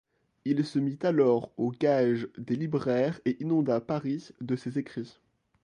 Il se mit alors aux gages des libraires et inonda Paris de ses écrits.